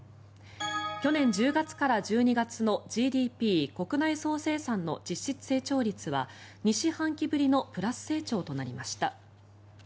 去年１０月から１２月のＧＤＰ・国内総生産の実質成長率は２四半期ぶりのプラス成長となりました。